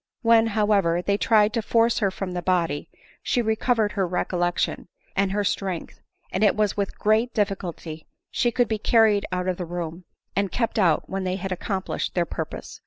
When, however, they tried to force her from the body, she recovered her recollection and her strength ; and it was with great difficulty she could be carried out of the room, and kept out when they had accomplished their purpose.